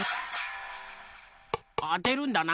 あてるんだな。